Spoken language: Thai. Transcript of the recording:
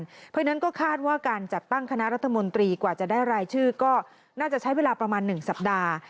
เพราะฉะนั้นก็คาดว่าการจัดตั้งคณะรัฐมนตรีกว่าจะได้รายชื่อก็น่าจะใช้เวลาประมาณ๑สัปดาห์